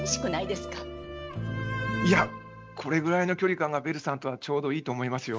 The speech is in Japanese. いやこれぐらいの距離感がベルさんとはちょうどいいと思いますよ。